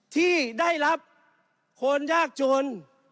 ที่ได้รับคนยากจน